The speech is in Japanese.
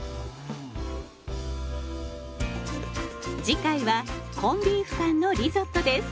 次回はコンビーフ缶のリゾットです。